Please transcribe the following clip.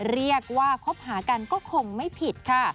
เรียกว่าคบหากันก็คงไม่ผิดค่ะ